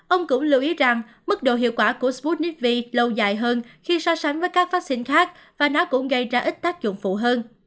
ông cũng lưu ý rằng mức độ hiệu quả của sputnik v lâu dài hơn khi so sánh với các phát sinh khác và nó cũng gây ra ít tác dụng phụ hơn